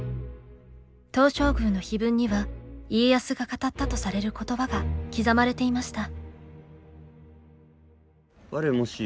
東照宮の碑文には家康が語ったとされる言葉が刻まれていました。